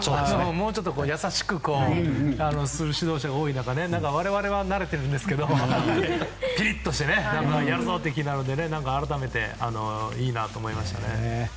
もうちょっと優しくする指導者が多い中我々は慣れているんですがピリッとしてやるぞ！っていう気になるので改めていいなと思いましたね。